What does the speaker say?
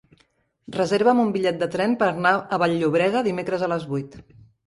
Reserva'm un bitllet de tren per anar a Vall-llobrega dimecres a les vuit.